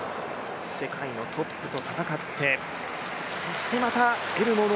世界のトップと戦ってそしてまた得るもの